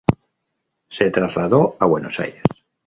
Se trasladó a Buenos Aires.